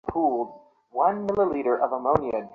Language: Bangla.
পাছে তোমার মনে লাগে বলে আমি এতদিন কিছুই বলি নি।